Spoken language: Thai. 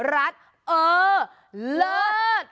รัดเออเลิศ